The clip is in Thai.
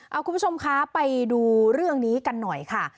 เอาคุณผู้ชมคะไปดูเรื่องนี้กันหน่อยค่ะ